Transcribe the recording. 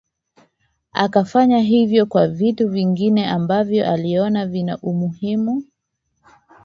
Akafanya hivyo kwa vitu vingine ambavyo aliona ni vina umuhimu